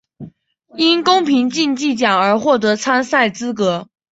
因公平竞技奖而获得参赛资格。